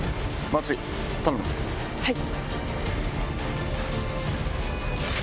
はい。